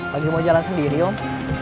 lagi mau jalan sendiri om